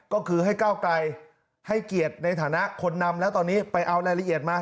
ก็คือให้ก้าวไกลให้เกียรติในฐานะคนนำแล้วตอนนี้ไปเอารายละเอียดมา